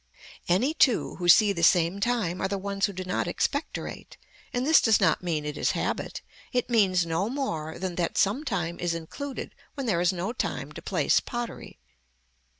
Any two who see the same time are the ones who do not expectorate and this does not mean it is habit, it means no more than that sometime is included when there is no time to place pottery.